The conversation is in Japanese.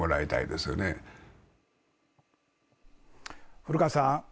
古河さん